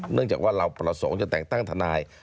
เนื่องจากเราประสงค์ว่าจะแจ่งตั้งถนาย